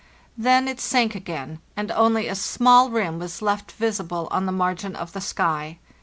Then it sank again, and only a small rim was left visible on the margin of the sky.